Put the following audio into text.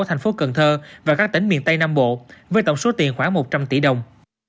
thành phố cần thơ và các tỉnh miền tây nam bộ với tổng số tiền khoảng một trăm linh tỷ đồng